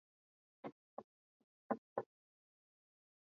Makaburi ya zamani yalikuwa yametengwa kwa waheshimiwa wakubwa